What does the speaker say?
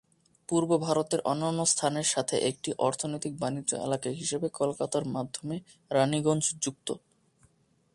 পূর্ব ভারতের অন্যান্য স্থানের সাথে একটি অর্থনৈতিক বাণিজ্য এলাকা হিসাবে কলকাতার মাধ্যমে রাণীগঞ্জ যুক্ত।